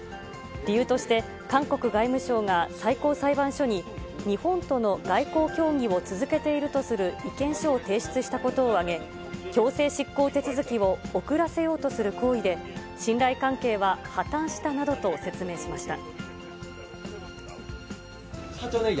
理由として、韓国外務省が最高裁判所に日本との外交協議を続けているとする意見書を提出したことを挙げ、強制執行手続きを遅らせようとする行為で、信頼関係は破綻したなどと説明しました。